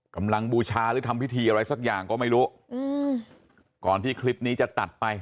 บูชาหรือทำพิธีอะไรสักอย่างก็ไม่รู้อืมก่อนที่คลิปนี้จะตัดไป